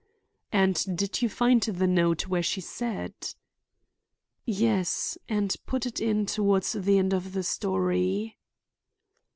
"And did you find the note where she said?" "Yes, and put it in toward the end of the story."